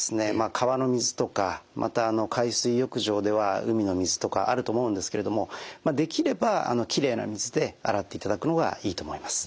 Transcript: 川の水とかまた海水浴場では海の水とかあると思うんですけれどもできればきれいな水で洗っていただくのがいいと思います。